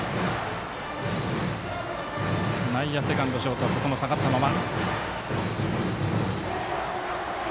内野セカンド、ショートはここも下がったまま。